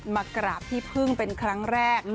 มากราบพี่พึ่งเป็นครั้งแรก